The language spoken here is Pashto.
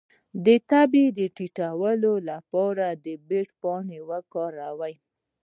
د تبې د ټیټولو لپاره د بید پاڼې وکاروئ